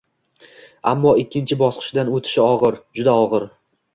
Ammo ikkinchi bosqichdan o’tishi og’ir, juda og’ir.